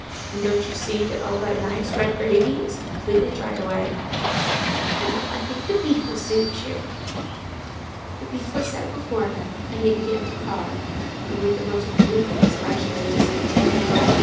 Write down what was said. And can't you see that all that nice, red gravy is completely dried away?" "Well, I think the beef will suit you." The beef was set before him, and he began to carve, but with the most rueful expressions of discontent.